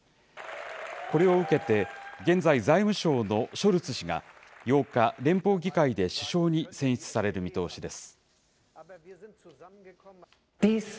これを受けて、現在、財務相のショルツ氏が、８日、連邦議会で首相に選出される見通しです。